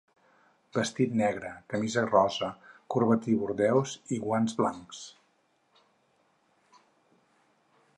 Vestit negre, camisa rosa, corbatí bordeus i guants blancs.